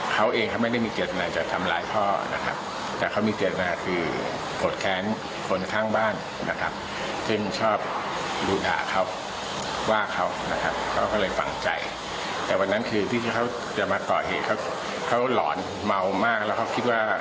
เขาหลอนเมามากแล้วเขาคิดว่า